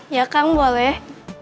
ya kang boleh